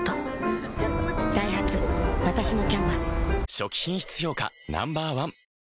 初期品質評価Ｎｏ．１